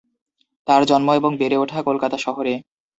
তার জন্ম এবং বেড়ে ওঠা কলকাতা শহরে।